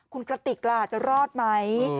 คุณกระติกล่ะจะรอดไหม